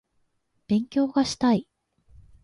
勉強がしたい